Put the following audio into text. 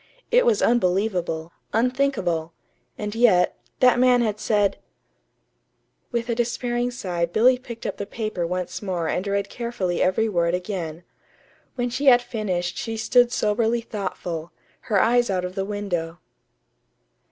It was unbelievable, unthinkable. And yet, that man had said With a despairing sigh Billy picked up the paper once more and read carefully every word again. When she had finished she stood soberly thoughtful, her eyes out of the window.